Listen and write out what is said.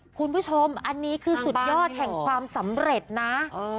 คุณผู้ชมอันนี้คือสุดยอดแห่งความสำเร็จนะ